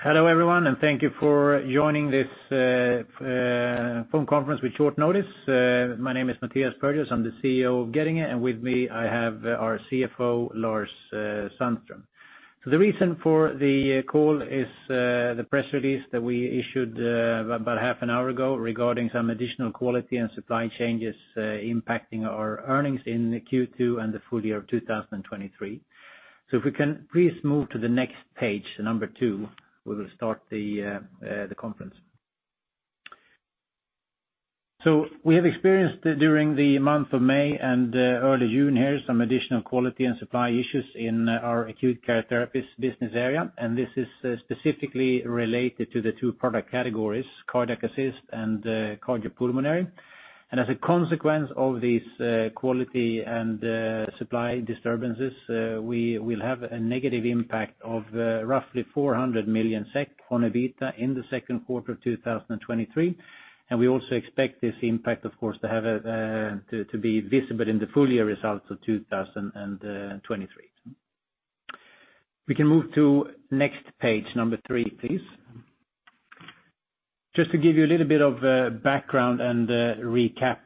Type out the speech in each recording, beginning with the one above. Hello, everyone, thank you for joining this phone conference with short notice. My name is Mattias Perjos, I'm the CEO of Getinge, and with me, I have our CFO, Lars Sandström. The reason for the call is the press release that we issued about half an hour ago regarding some additional quality and supply changes impacting our Earnings in Q2 and the full year of 2023. If we can please move to the next page, number two, we will start the conference. We have experienced during the month of May and early June here, some additional quality and supply issues in our Acute Care Therapies business area, and this is specifically related to the two product categories, Cardiac Assist and Cardiopulmonary. As a consequence of these quality and supply disturbances, we will have a negative impact of roughly 400 million SEK on an EBITDA in the Q2 of 2023. We also expect this impact, of course, to be visible in the full year results of 2023. We can move to next page number three, please. Just to give you a little bit of background and recap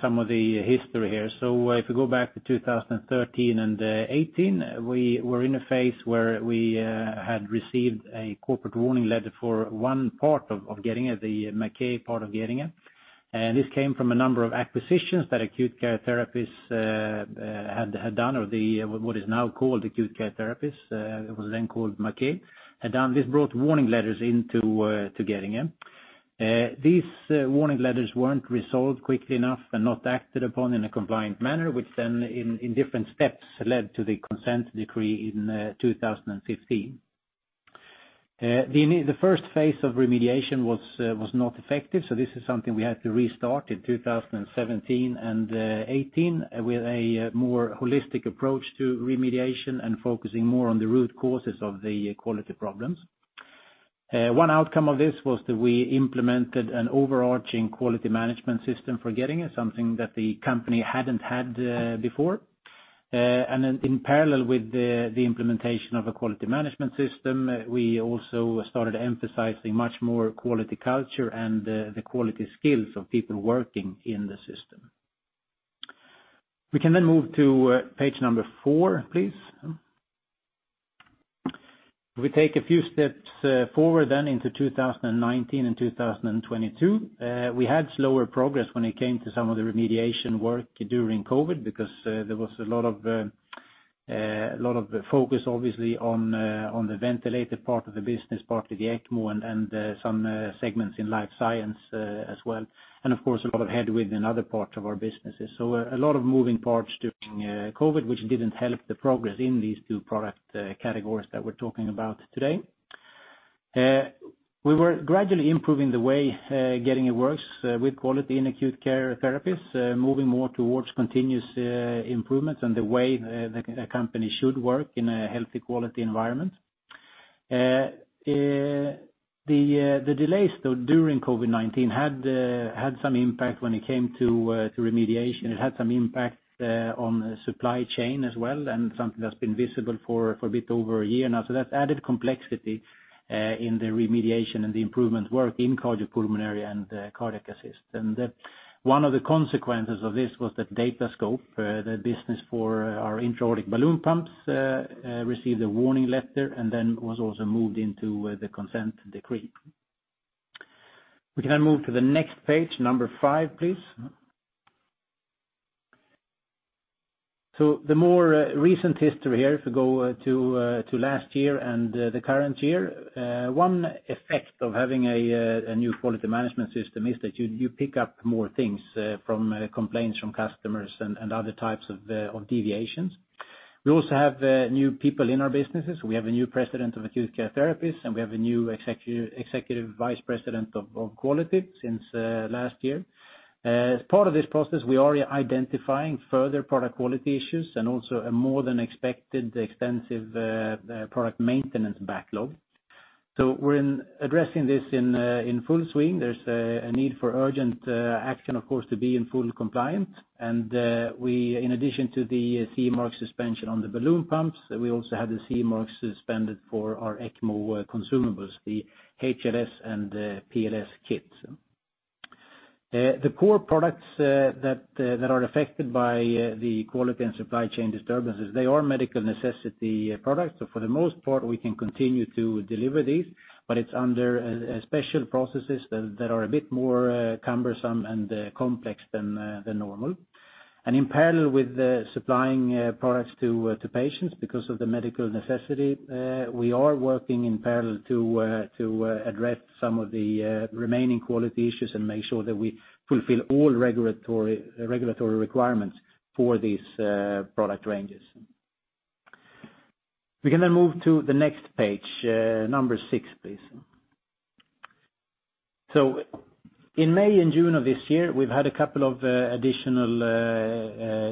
some of the history here. If we go back to 2013 and 2018, we were in a phase where we had received a corporate warning letter for one part of Getinge, the Maquet part of Getinge. This came from a number of acquisitions that Acute Care Therapies had done, or what is now called Acute Care Therapies, it was then called Maquet, had done. This brought warning letters into to Getinge. These warning letters weren't resolved quickly enough and not acted upon in a compliant manner, which then in different steps, led to the consent decree in 2015. The first phase of remediation was not effective, so this is something we had to restart in 2017 and 2018, with a more holistic approach to remediation and focusing more on the root causes of the quality problems. One outcome of this was that we implemented an overarching quality management system for Getinge, something that the company hadn't had before. In parallel with the implementation of a quality management system, we also started emphasizing much more quality culture and the quality skills of people working in the system. We can move to page number four, please. We take a few steps forward into 2019 and 2022. We had slower progress when it came to some of the remediation work during COVID, there was a lot of focus, obviously, on the ventilated part of the business, part of the ECMO and some segments in life science as well. Of course, a lot of headwinds in other parts of our businesses. A lot of moving parts during COVID, which didn't help the progress in these two product categories that we're talking about today. We were gradually improving the way Getinge works with quality in Acute Care Therapies, moving more towards continuous improvements and the way a company should work in a healthy quality environment. The delays, though, during COVID-19 had some impact when it came to remediation. It had some impact on the supply chain as well, and something that's been visible for a bit over a year now. That's added complexity in the remediation and the improvement work in Cardiopulmonary and Cardiac Assist. One of the consequences of this was that Datascope, the business for our intra-aortic balloon pumps, received a warning letter and was also moved into the consent decree. We can then move to the next page, number five, please. The more recent history here, if we go to last year and the current year, one effect of having a new quality management system is that you pick up more things from complaints from customers and other types of deviations. We also have new people in our businesses. We have a new president of Acute Care Therapies, and we have a new Executive Vice President of quality since last year. As part of this process, we are identifying further product quality issues and also a more than expected extensive product maintenance backlog. We're in addressing this in full swing. There's a need for urgent action, of course, to be in full compliance. We, in addition to the CE mark suspension on the balloon pumps, we also have the CE marks suspended for our ECMO consumables, the HLS and the PLS kits. The core products that are affected by the quality and supply chain disturbances, they are medical necessity products. For the most part, we can continue to deliver these, but it's under special processes that are a bit more cumbersome and complex than normal. In parallel with the supplying products to patients, because of the medical necessity, we are working in parallel to address some of the remaining quality issues and make sure that we fulfill all regulatory requirements for these product ranges. We can move to the next page, number six, please. In May and June of this year, we've had a couple of additional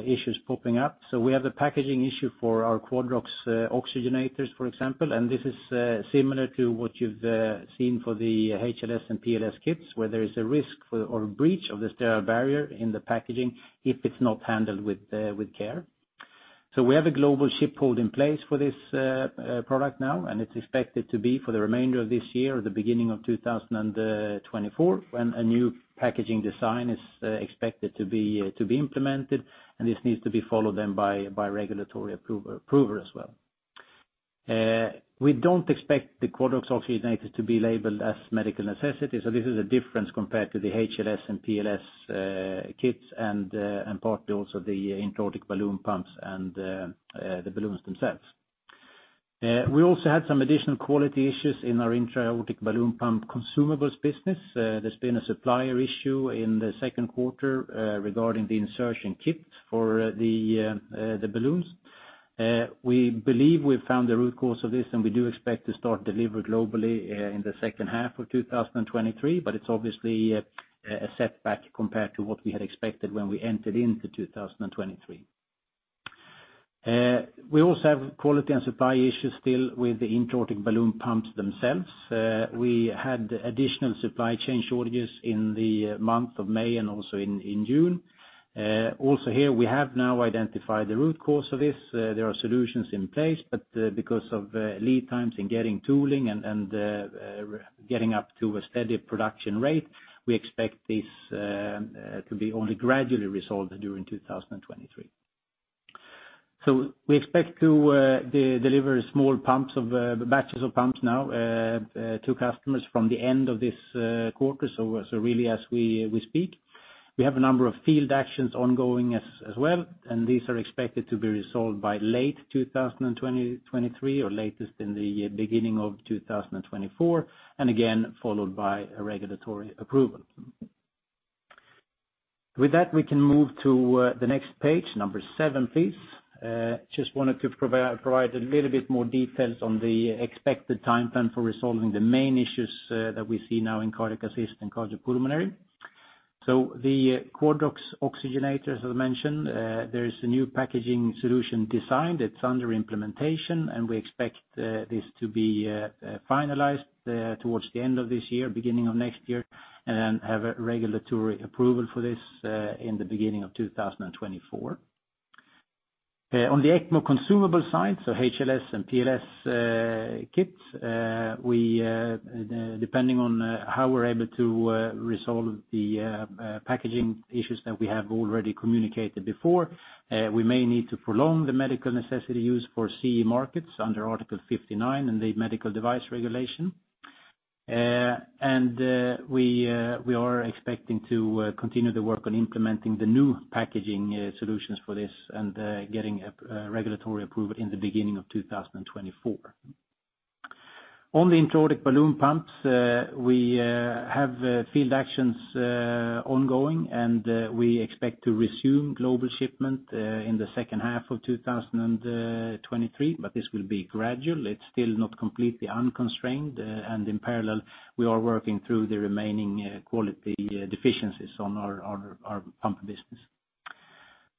issues popping up. We have the packaging issue for our Quadrox-i oxygenators, for example, and this is similar to what you've seen for the HLS and PLS kits, where there is a risk for or breach of the sterile barrier in the packaging if it's not handled with care. We have a global ship hold in place for this product now, and it's expected to be for the remainder of this year or the beginning of 2024, when a new packaging design is expected to be implemented, and this needs to be followed then by regulatory approver as well. We don't expect the Quadrox oxygenator to be labeled as medical necessity, so this is a difference compared to the HLS and PLS kits and partly also the intra-aortic balloon pumps and the balloons themselves. We also had some additional quality issues in our intra-aortic balloon pump consumables business. There's been a supplier issue in the Q2 regarding the insertion kits for the balloons. We believe we've found the root cause of this, and we do expect to start delivery globally in the second half of 2023. It's obviously a setback compared to what we had expected when we entered into 2023. We also have quality and supply issues still with the intra-aortic balloon pumps themselves. We had additional supply chain shortages in the month of May and also in June. Also here, we have now identified the root cause of this. There are solutions in place, but because of lead times in getting tooling and getting up to a steady production rate, we expect this to be only gradually resolved during 2023. We expect to deliver small pumps of batches of pumps now to customers from the end of this quarter, so really, as we speak. We have a number of field actions ongoing as well, and these are expected to be resolved by late 2023 or latest in the beginning of 2024, and again, followed by a regulatory approval. With that, we can move to the next page, number seven, please. Just wanted to provide a little bit more details on the expected timeline for resolving the main issues that we see now in Cardiac Assist and Cardiopulmonary. The Quadrox oxygenator, as I mentioned, there is a new packaging solution designed. It's under implementation, and we expect this to be finalized towards the end of this year, beginning of next year, and then have a regulatory approval for this in the beginning of 2024. On the ECMO consumable side, so HLS and PLS kits, we depending on how we're able to resolve the packaging issues that we have already communicated before, we may need to prolong the medical necessity use for CE markets under Article 59 and the Medical Device Regulation. We are expecting to continue the work on implementing the new packaging solutions for this and getting regulatory approval in the beginning of 2024. On the intra-aortic balloon pumps, we have field actions ongoing, and we expect to resume global shipment in the second half of 2023, but this will be gradual. It's still not completely unconstrained, and in parallel, we are working through the remaining quality deficiencies on our pump business.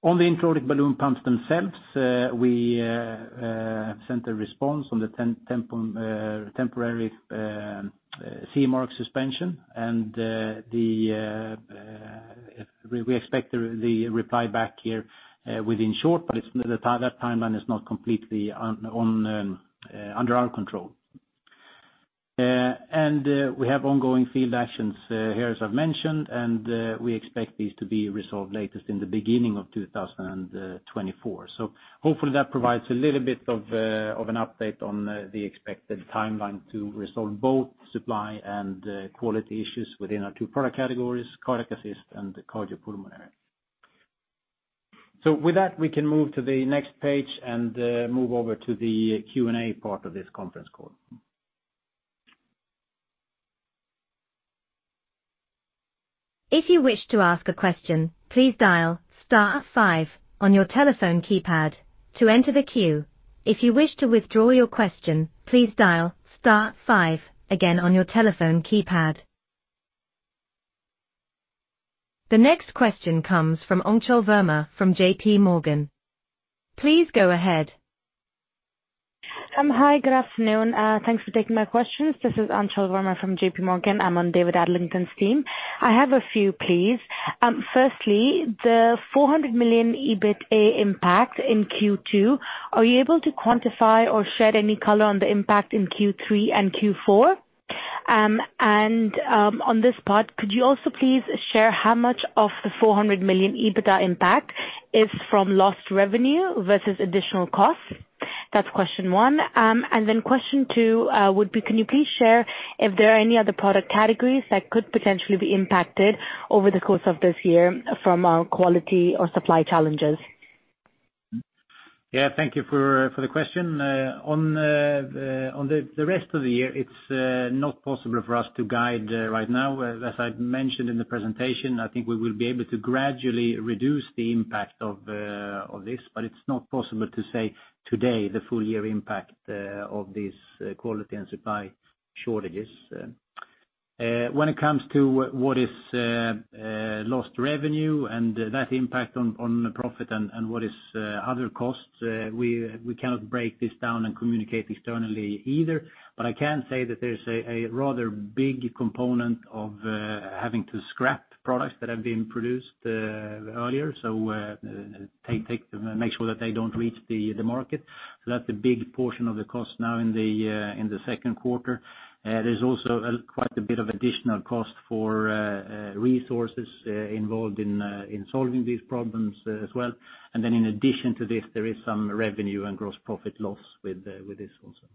On the intra-aortic balloon pumps themselves, we sent a response on the temporary CE mark suspension, and we expect the reply back here within short, but that timeline is not completely under our control. We have ongoing field actions here, as I've mentioned, and we expect these to be resolved latest in the beginning of 2024. Hopefully that provides a little bit of an update on the expected timeline to resolve both supply and quality issues within our two product categories, Cardiac Assist and Cardiopulmonary. With that, we can move to the next page and move over to the Q&A part of this conference call. If you wish to ask a question, please dial star five on your telephone keypad to enter the queue. If you wish to withdraw your question, please dial star five again on your telephone keypad. The next question comes from Anchal Verma from JPMorgan. Please go ahead. Hi, good afternoon. Thanks for taking my questions. This is Anchal Verma from JPMorgan. I'm on David Adlington's team. I have a few, please. Firstly, the 400 million EBITA impact in Q2, are you able to quantify or shed any color on the impact in Q3 and Q4? And, on this part, could you also please share how much of the 400 million EBITDA impact is from lost revenue versus additional costs? That's question one. Then question two, would be, can you please share if there are any other product categories that could potentially be impacted over the course of this year from quality or supply challenges? Yeah, thank you for the question. On the rest of the year, it's not possible for us to guide right now. As I've mentioned in the presentation, I think we will be able to gradually reduce the impact of this, it's not possible to say today the full year impact of these quality and supply shortages. When it comes to what is lost revenue and that impact on the profit and what is other costs, we cannot break this down and communicate externally either. I can say that there's a rather big component of having to scrap products that have been produced earlier. They make sure that they don't reach the market. That's a big portion of the cost now in the Q2. There's also a quite a bit of additional cost for resources involved in solving these problems as well. In addition to this, there is some revenue and gross profit loss with this also.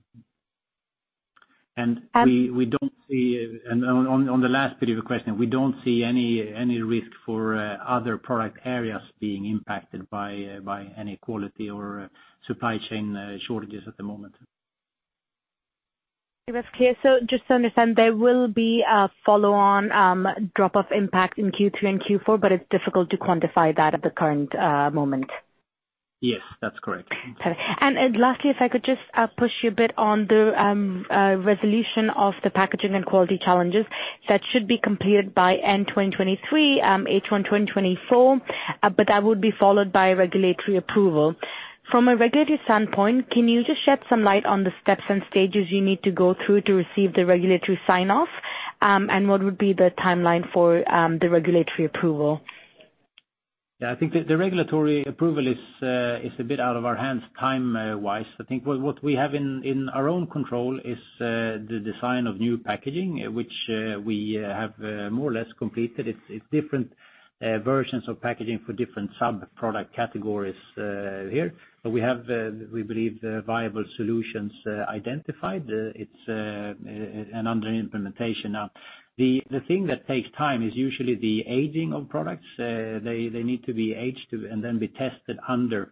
We don't see, and on the last part of your question, we don't see any risk for other product areas being impacted by any quality or supply chain shortages at the moment. That's clear. Just to understand, there will be a follow-on drop-off impact in Q3 and Q4, but it's difficult to quantify that at the current moment? Yes, that's correct. Okay. Lastly, if I could just push you a bit on the resolution of the packaging and quality challenges that should be completed by end 2023, H1, 2024, but that would be followed by regulatory approval. From a regulatory standpoint, can you just shed some light on the steps and stages you need to go through to receive the regulatory sign-off? What would be the timeline for the regulatory approval? I think the regulatory approval is a bit out of our hands time-wise. I think what we have in our own control is the design of new packaging, which we have more or less completed. It's different versions of packaging for different sub-product categories here. We have, we believe, viable solutions identified. It's under implementation now. The thing that takes time is usually the aging of products. They need to be aged and then be tested under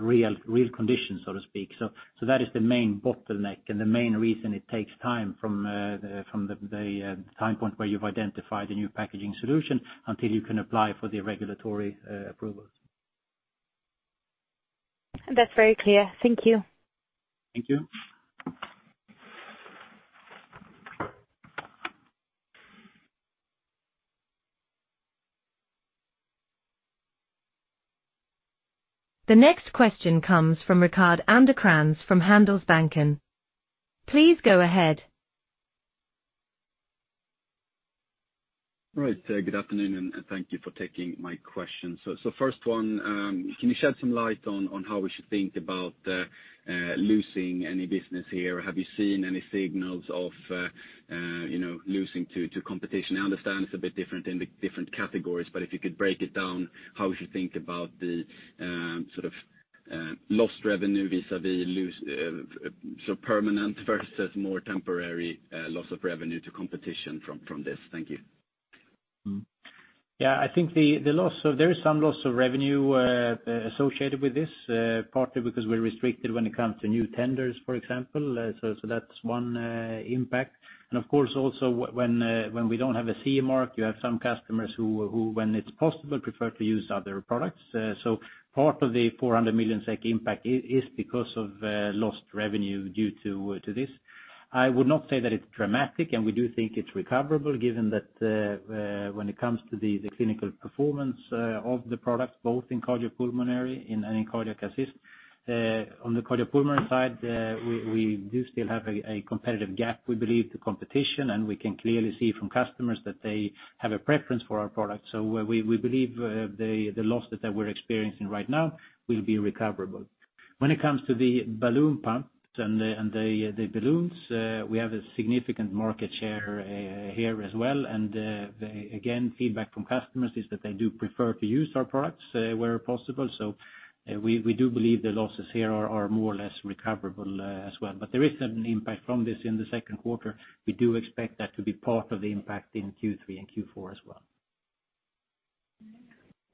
real conditions, so to speak. That is the main bottleneck and the main reason it takes time from the time point where you've identified the new packaging solution until you can apply for the regulatory approvals. That's very clear. Thank you. Thank you. The next question comes from Rickard Anderkrans, from Handelsbanken. Please go ahead. All right. Good afternoon, and thank you for taking my question. First one, can you shed some light on how we should think about losing any business here? Have you seen any signals of, you know, losing to competition? I understand it's a bit different in the different categories, but if you could break it down, how we should think about the sort of, lost revenue vis-a-vis lose, so permanent versus more temporary loss of revenue to competition from this? Thank you. I think there is some loss of revenue associated with this, partly because we're restricted when it comes to new tenders, for example. That's one impact. Of course, also, when we don't have a CE mark, you have some customers who, when it's possible, prefer to use other products. Part of the 400 million SEK impact is because of lost revenue due to this. I would not say that it's dramatic. We do think it's recoverable, given that when it comes to the clinical performance of the products, both in cardiopulmonary and in cardiac assist. On the Cardiopulmonary side, we do still have a competitive gap, we believe, to competition, and we can clearly see from customers that they have a preference for our products. We, we believe, the losses that we're experiencing right now will be recoverable. When it comes to the balloon pumps and the, and the balloons, we have a significant market share here as well. The, again, feedback from customers is that they do prefer to use our products where possible. We, we do believe the losses here are more or less recoverable as well. There is an impact from this in the Q2. We do expect that to be part of the impact in Q3 and Q4 as well.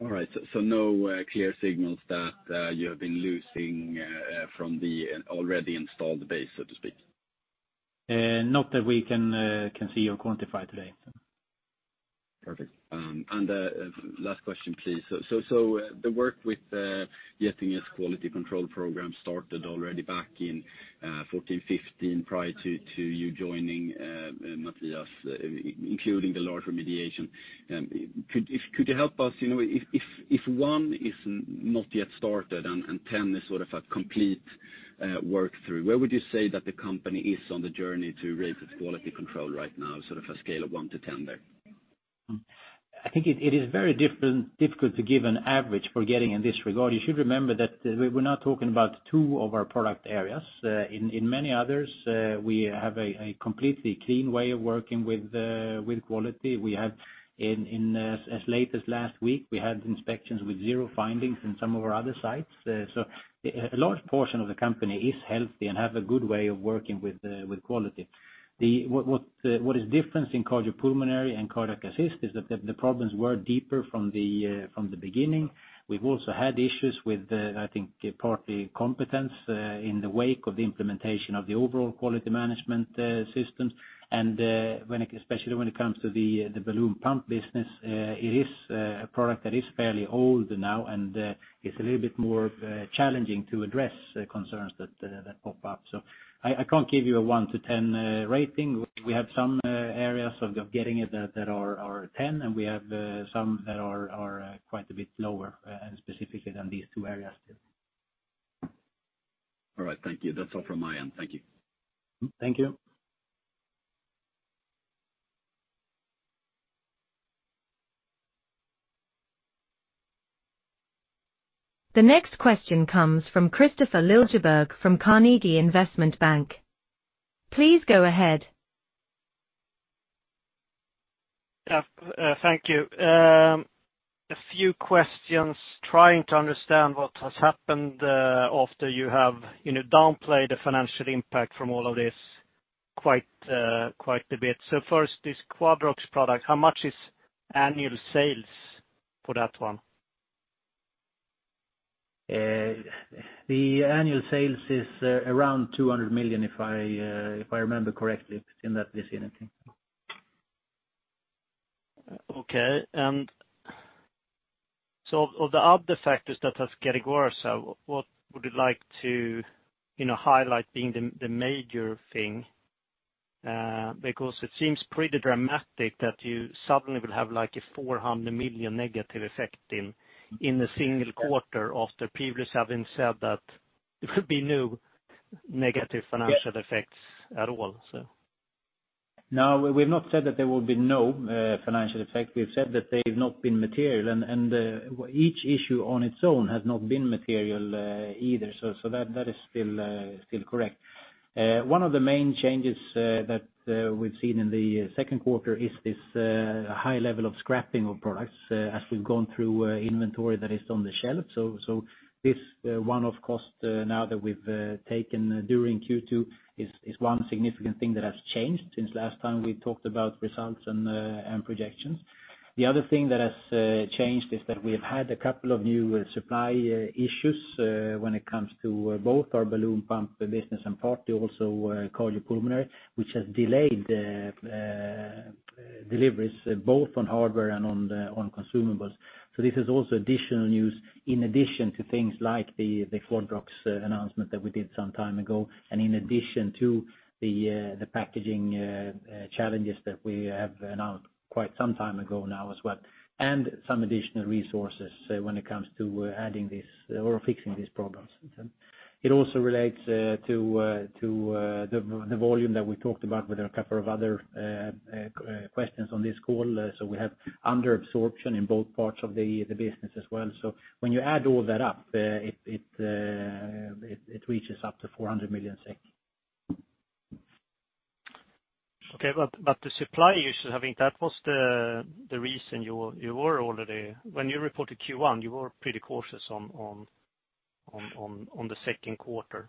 All right, no clear signals that you have been losing from the already installed base, so to speak? Not that we can see or quantify today. Perfect. Last question, please. The work with Getinge's quality control program started already back in 14, 15, prior to you joining Mattias, including the large remediation. Could you help us, you know, if 1 is not yet started and 10 is sort of a complete work through, where would you say that the company is on the journey to raise its quality control right now, sort of a scale of one to 10 there? I think it is very difficult to give an average for Getinge in this regard. You should remember that we're now talking about two of our product areas. In many others, we have a completely clean way of working with quality. We had in as late as last week, we had inspections with zero findings in some of our other sites. A large portion of the company is healthy and have a good way of working with quality. What is different in Cardiopulmonary and Cardiac Assist is that the problems were deeper from the beginning. We've also had issues with, I think, partly competence, in the wake of the implementation of the overall quality management system. Especially when it comes to the balloon pump business, it is a product that is fairly old now, and it's a little bit more challenging to address the concerns that pop up. I can't give you a one to 10 rating. We have some areas of Getinge that are 10, and we have some that are quite a bit lower, and specifically than these two areas, too. All right, thank you. That's all from my end. Thank you. Thank you. The next question comes from Kristofer Liljeberg from Carnegie Investment Bank. Please go ahead. Thank you. A few questions, trying to understand what has happened, after you have, you know, downplayed the financial impact from all of this quite a bit. First, this Quadrox-i product, how much is annual sales for that one? The annual sales is around 200 million, if I, if I remember correctly, it's in that vicinity. Okay. Of the other factors that has getting worse, what would you like to, you know, highlight being the major thing? Because it seems pretty dramatic that you suddenly will have, like, a 400 million negative effect in a single quarter after previously having said that there would be no negative. Yeah-effects at all. No, we've not said that there will be no financial effect. We've said that they've not been material, and each issue on its own has not been material either. That is still correct. One of the main changes that we've seen in the Q2 is this high level of scrapping of products as we've gone through inventory that is on the shelf. This one of cost now that we've taken during Q2 is one significant thing that has changed since last time we talked about results and projections. The other thing that has changed is that we have had a couple of new supply issues when it comes to both our balloon pump business and partly also Cardiopulmonary, which has delayed deliveries both on hardware and on consumables. This is also additional news, in addition to things like the Quadrox-i announcement that we did some time ago, and in addition to the packaging challenges that we have announced quite some time ago now as well, and some additional resources when it comes to adding this or fixing these problems. It also relates to the volume that we talked about with a couple of other questions on this call. We have under absorption in both parts of the business as well. When you add all that up, it reaches up to 400 million SEK. Okay, the supply issues, I think that was the reason you were already when you reported Q1, you were pretty cautious on the Q2,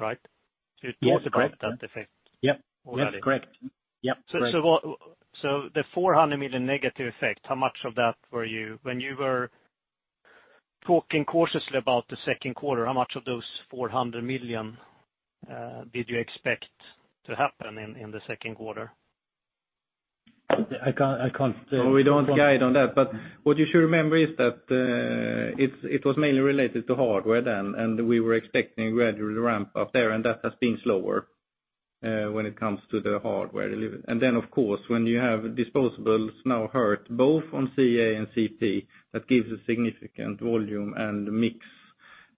right? Yes, correct. To talk about that effect. Yep. Already. Yes, correct. Yep, correct. What the 400 million negative effect, when you were talking cautiously about the Q2, how much of those 400 million did you expect to happen in the Q2? I can't. We don't guide on that. What you should remember is that, it was mainly related to hardware then, and we were expecting gradual ramp up there, and that has been slower, when it comes to the hardware delivery. Then, of course, when you have disposables now hurt, both on CA and CP, that gives a significant volume and mix,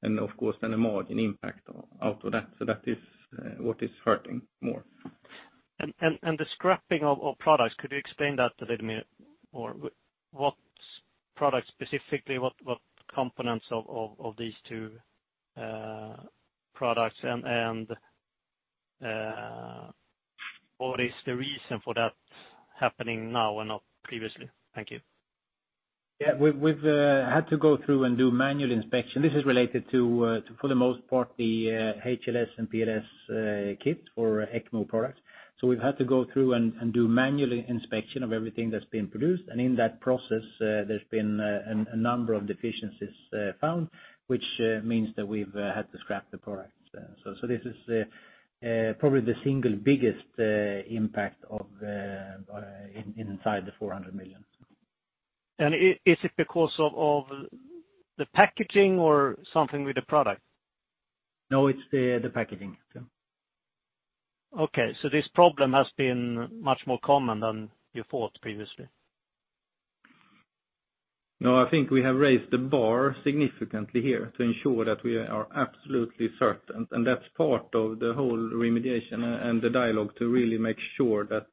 and of course, then a margin impact out of that. That is what is hurting more. The scrapping of products, could you explain that a little bit more? What products specifically, what components of these two products, and what is the reason for that happening now and not previously? Thank you. Yeah, we've had to go through and do manual inspection. This is related to, for the most part, the HLS and PLS kit for ECMO products. We've had to go through and do manual inspection of everything that's been produced. In that process, there's been a number of deficiencies found, which means that we've had to scrap the products. So this is probably the single biggest impact of inside the 400 million. Is it because of the packaging or something with the product? No, it's the packaging, yeah. Okay, this problem has been much more common than you thought previously? No I think we have raised the bar significantly here to ensure that we are absolutely certain, and that's part of the whole remediation and the dialogue, to really make sure that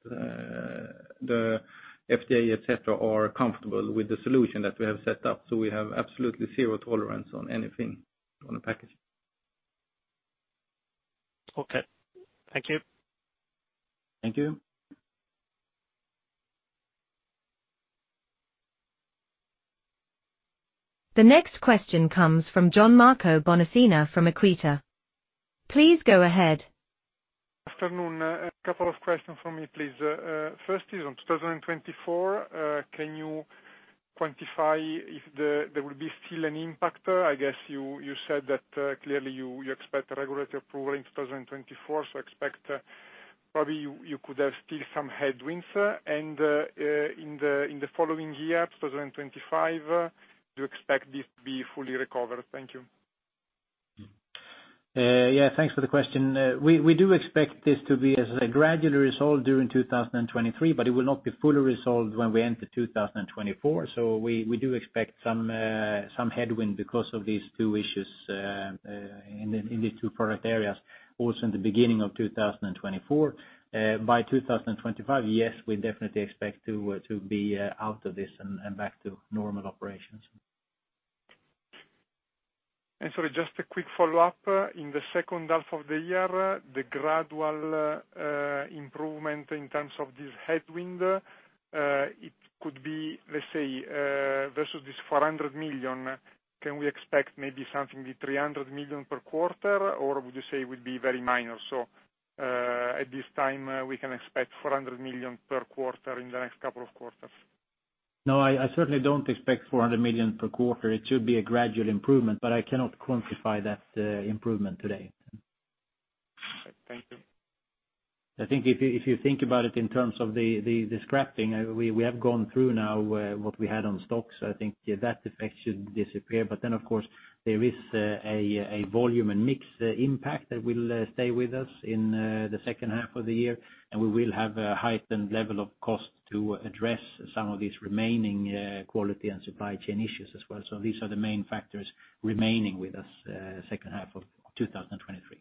the FDA, et cetera, are comfortable with the solution that we have set up. So, we have absolutely zero tolerance on anything on the packaging. Okay. Thank you. Thank you. The next question comes from Gianmarco Bonacina from EQUITA. Please go ahead. Afternoon. A couple of questions from me, please. First is on 2024, can you quantify if there will be still an impact? I guess you said that, clearly you expect a regulatory approval in 2024, so expect, probably you could have still some headwinds. In the following year, 2025, do you expect this to be fully recovered? Thank you. Yeah, thanks for the question. We do expect this to be as a gradual result during 2023, but it will not be fully resolved when we enter 2024. We do expect some headwind because of these two issues in these two product areas, also in the beginning of 2024. By 2025, yes, we definitely expect to be out of this and back to normal operations. Sorry, just a quick follow-up. In the second half of the year, the gradual improvement in terms of this headwind, it could be, let's say, versus this 400 million, can we expect maybe something, 300 million per quarter, or would you say it would be very minor? At this time, we can expect 400 million per quarter in the next couple of quarters. No, I certainly don't expect 400 million per quarter. It should be a gradual improvement, but I cannot quantify that improvement today. Thank you. I think if you, if you think about it in terms of the, the scrapping, we have gone through now, what we had on stock, so I think that effect should disappear. Of course, there is a volume and mix impact that will stay with us in the second half of the year, and we will have a heightened level of cost to address some of these remaining quality and supply chain issues as well. These are the main factors remaining with us, second half of 2023.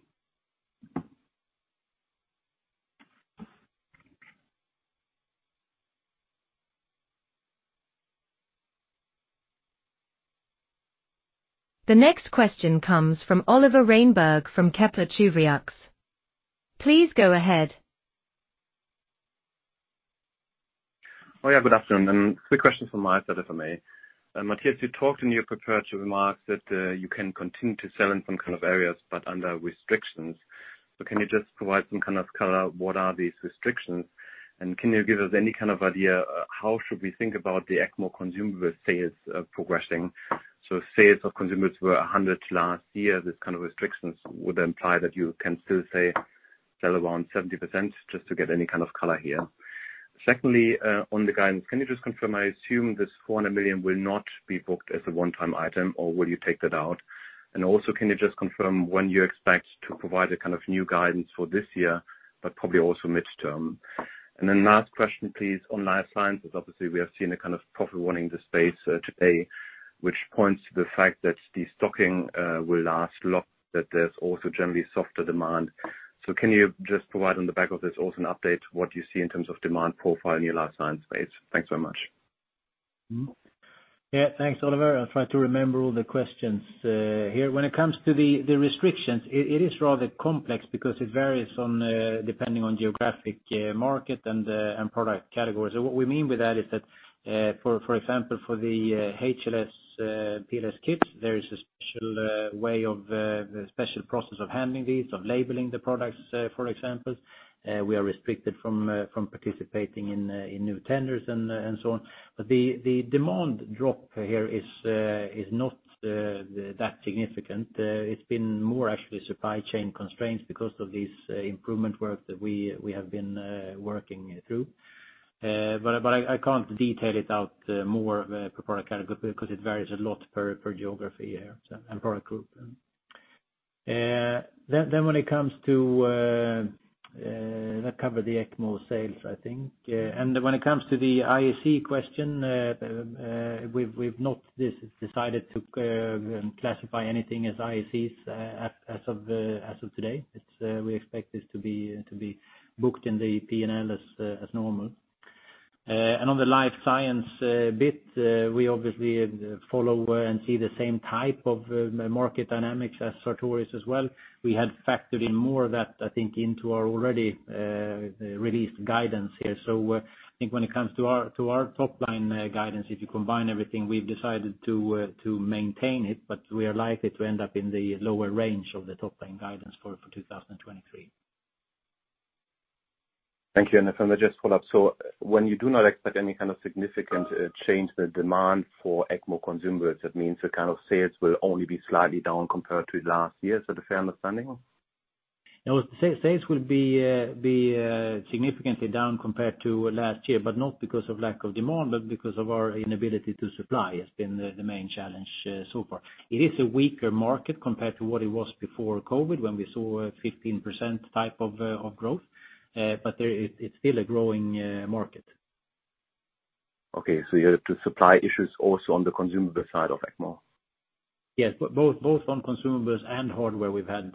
The next question comes from Oliver Reinberg from Kepler Cheuvreux. Please go ahead. Good afternoon, quick question from my side, if I may. Mattias, you talked in your prepared remarks that you can continue to sell in some kind of areas, but under restrictions. Can you just provide some kind of color, what are these restrictions? Can you give us any kind of idea, how should we think about the ECMO consumable sales progressing? Sales of consumables were 100 last year. This kind of restrictions would imply that you can still say, sell around 70%, just to get any kind of color here. Secondly, on the guidance, can you just confirm, I assume this 400 million will not be booked as a one-time item, or will you take that out? And also can you just confirm when you expect to provide a kind of new guidance for this year, but probably also midterm? Last question, please, on life science, because obviously we have seen a kind of profit warning in the space today, which points to the fact that the stocking will last long, that there's also generally softer demand. Can you just provide on the back of this also an update, what you see in terms of demand profile in your life science space? Thanks so much. Yeah, thanks, Oliver. I'll try to remember all the questions here. When it comes to the restrictions, it is rather complex because it varies on depending on geographic market and product categories. What we mean by that is that for example, for the HLS PLS kits, there is a special way of special process of handling these, of labeling the products, for example. We are restricted from participating in new tenders and so on. The demand drop here is not that significant. It's been more actually supply chain constraints because of this improvement work that we have been working through. I can't detail it out more per product category, because it varies a lot per geography here, so, and product group. When it comes to that covered the ECMO sales, I think. When it comes to the IAC question, we've not decided to classify anything as IACs as of today. It's we expect this to be booked in the P&L as normal. On the life science bit, we obviously follow and see the same type of market dynamics as Sartorius as well. We had factored in more of that, I think, into our already released guidance here. I think when it comes to our top line guidance, if you combine everything, we've decided to maintain it, but we are likely to end up in the lower range of the top-line guidance for 2023. Thank you. If I may just follow up. When you do not expect any kind of significant change in the demand for ECMO consumables, that means the kind of sales will only be slightly down compared to last year. Is that a fair understanding? No, sales will be significantly down compared to last year, but not because of lack of demand, but because of our inability to supply, has been the main challenge so far. It is a weaker market compared to what it was before COVID, when we saw a 15% type of growth. It's still a growing market. Okay, you have the supply issues also on the consumable side of ECMO? Yes, both on consumables and hardware, we've had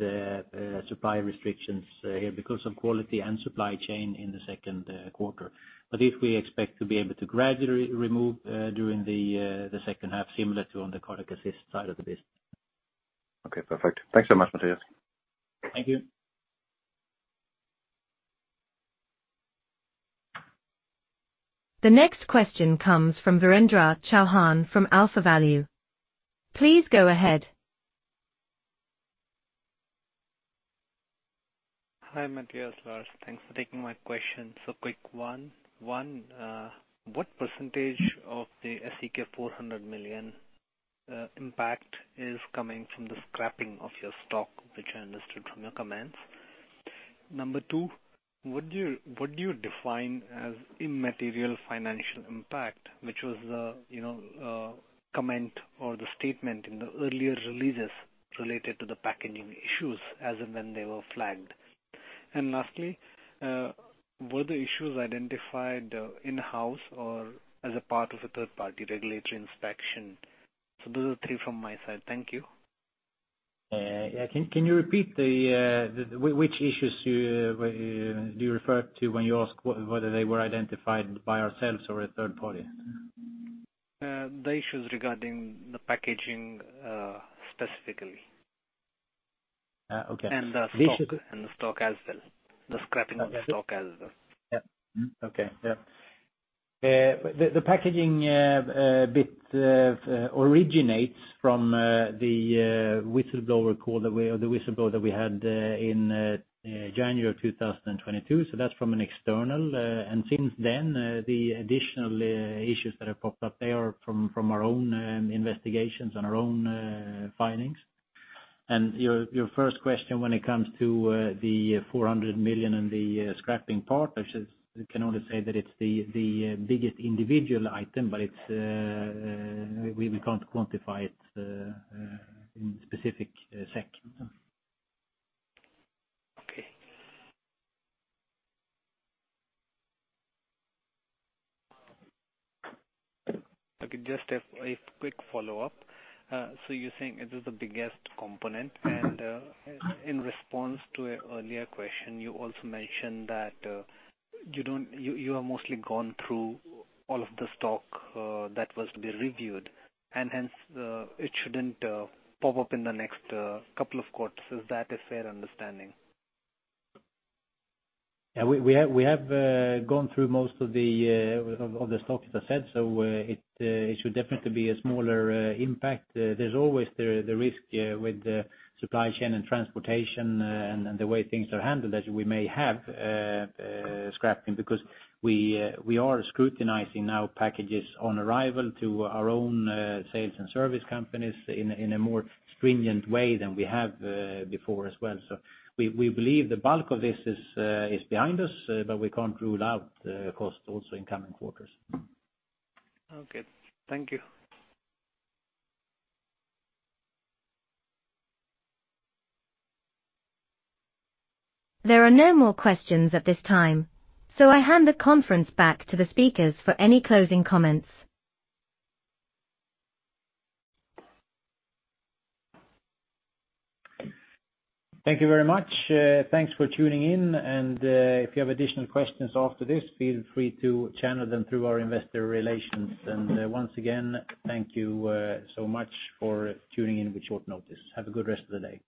supply restrictions here because of quality and supply chain in the Q2. This, we expect to be able to gradually remove during the second half, similar to on the Cardiac Assist side of the business. Okay, perfect. Thanks so much, Mattias. Thank you. The next question comes from Virendra Chauhan from AlphaValue. Please go ahead. Hi, Mattias, Lars. Thanks for taking my question. Quick one. One, what percentage of the SEK 400 million impact is coming from the scrapping of your stock, which I understood from your comments? Number two, what do you define as immaterial financial impact? Which was the, you know, comment or the statement in the earlier releases related to the packaging issues as and when they were flagged. Lastly, were the issues identified in-house or as a part of a third-party regulatory inspection? Those are 3 from my side. Thank you. Yeah. Can you repeat the which issues you do you refer to when you ask whether they were identified by ourselves or a third party? The issues regarding the packaging, specifically. Okay. The stock as well. The scrapping of stock as well. Yep. Okay. Yeah. The packaging bit originates from the whistleblower call or the whistleblower that we had in January of 2022. That's from an external. Since then, the additional issues that have popped up there are from our own investigations and our own findings. Your first question when it comes to the 400 million and the scrapping part, I just can only say that it's the biggest individual item, but we can't quantify it in specific SEK. Okay. Just a quick follow-up. You're saying it is the biggest component, and in response to an earlier question, you also mentioned that you have mostly gone through all of the stock that was to be reviewed, and hence, it shouldn't pop up in the next couple of quarters. Is that a fair understanding? We have gone through most of the stock, as I said, it should definitely be a smaller impact. There's always the risk with the supply chain and transportation and the way things are handled, that we may have scrapping. We are scrutinizing now packages on arrival to our own sales and service companies in a more stringent way than we have before as well. We believe the bulk of this is behind us, but we can't rule out cost also in coming quarters. Okay, thank you. There are no more questions at this time, so I hand the conference back to the speakers for any closing comments. Thank you very much. thanks for tuning in, and, if you have additional questions after this, feel free to channel them through our Investor Relations. Once again, thank you, so much for tuning in with short notice. Have a good rest of the day.